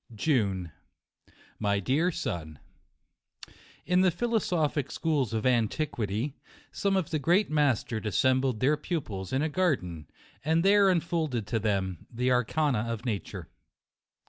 JUNE. My Dear Son, In* the philosophic schools of antiquity, some of the great masters assembled their pupils in a garden, and there unfolded to them the arcana of nature.